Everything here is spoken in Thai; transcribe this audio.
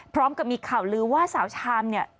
พร้อมกับมีข่าวลือว่าสาวชามเนี่ย